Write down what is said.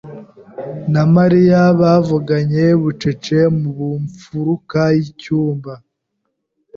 na Mariya bavuganye bucece mu mfuruka y'icyumba.